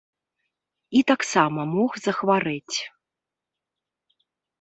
І таксама мог захварэць.